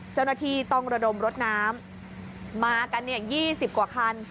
เจ้าหน้าที่ต้องระดมรถน้ำมากัน๒๐กว่าคัน